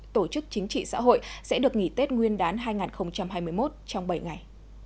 tổ chức chính trị xã hội sẽ được nghỉ tết nguyên đán hai nghìn hai mươi một trong bảy ngày